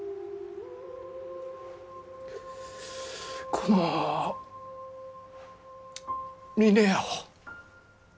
この峰屋を。